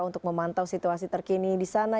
untuk memantau situasi terkini disana